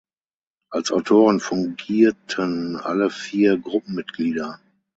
Als Autoren fungierten alle vier Gruppenmitglieder.